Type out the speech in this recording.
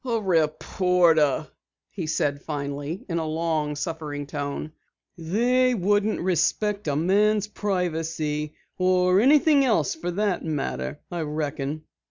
"A reporter," he said finally in a long suffering tone. "They wouldn't respect a man's privacy or anything else for that matter, I reckon."